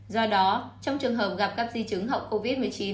do đó trong trường hợp gặp các di trứng hậu covid một mươi chín